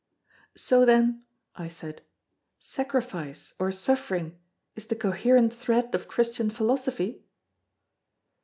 "So then," I said, "sacrifice or suffering is the coherent thread of Christian philosophy?"